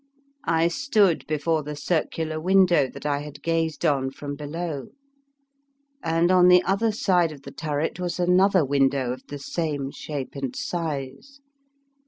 I stood before the circu lar window that I had gazed on from below, and on the other side of the turret was another window of the same shape and size.